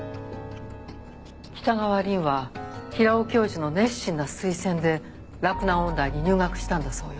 北川凛は平尾教授の熱心な推薦で洛南音大に入学したんだそうよ。